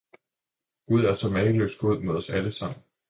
Gud er så mageløs god mod os alle sammen.